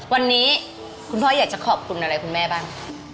วันนี้คุณพ่ออยากจะขอบคุณอะไรคุณแม่บ้าง